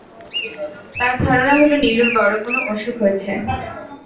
তাঁর ধারণা হলো, নীলুর বড় কোনো অসুখ হয়েছে।